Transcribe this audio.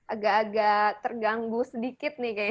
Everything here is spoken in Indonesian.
agak agak terganggu sedikit nih kayak gini